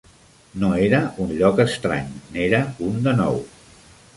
No era un lloc estrany; n'era un de nou.